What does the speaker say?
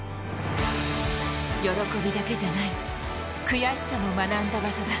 喜びだけじゃない、悔しさも学んだ場所だ。